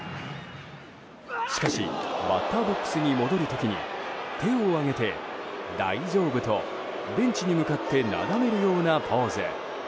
しかしバッターボックスに戻る時に手を上げて大丈夫とベンチに向かってなだめるようなポーズ。